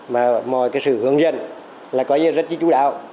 mà mọi cái sự hướng dẫn là có gì là rất chú đạo